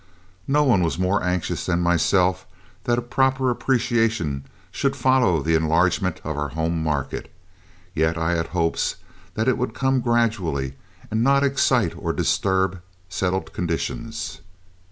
No one was more anxious than myself that a proper appreciation should follow the enlargement of our home market, yet I had hopes that it would come gradually and not excite or disturb settled conditions.